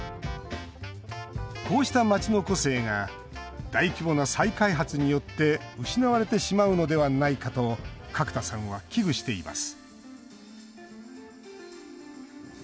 こうした街の個性が大規模な再開発によって失われてしまうのではないかと角田さんは危惧しています